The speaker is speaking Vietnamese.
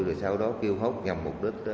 rồi sau đó kêu hốc nhằm mục đích